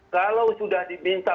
kalau sudah diminta